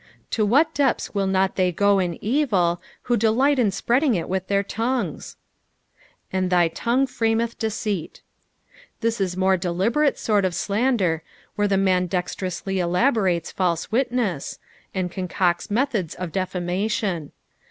To what depths will not the; go in evil, who delight in spreading it with their tongues? "And thy UmgTie frameth deceit." This is a more deliberate sort of slander, where the man dexterously elaborates false witness, and concocts methods of defamation.